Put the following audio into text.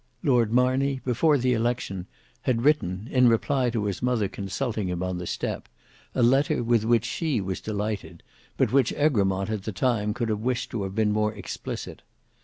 Lord Marney, before the election, had written, in reply to his mother consulting him on the step a letter with which she was delighted, but which Egremont at the time could have wished to have been more explicit.